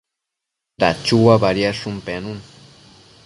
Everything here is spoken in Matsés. Dachua badiadshun pennu